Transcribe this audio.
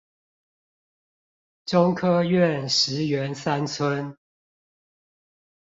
中科院石園三村